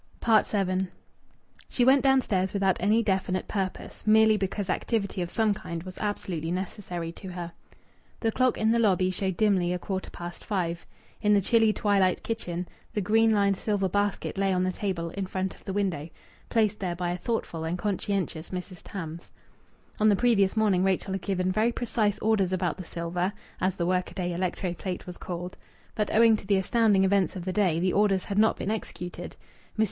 VII She went downstairs without any definite purpose merely because activity of some kind was absolutely necessary to her. The clock in the lobby showed dimly a quarter past five. In the chilly twilit kitchen the green lined silver basket lay on the table in front of the window, placed there by a thoughtful and conscientious Mrs. Tams. On the previous morning Rachel had given very precise orders about the silver (as the workaday electro plate was called), but owing to the astounding events of the day the orders had not been executed. Mrs.